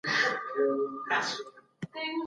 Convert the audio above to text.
د هغوی د روزني لاري چاري